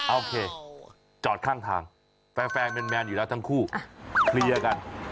โอเคจอดข้างทางแฟนแมนอยู่แล้วทั้งคู่เคลียร์กัน